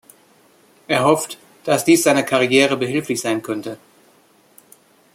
Er hofft, dass dies seiner Karriere behilflich sein könnte.